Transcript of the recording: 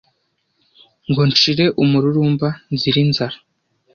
Ngo nshire umururumba nzire inzara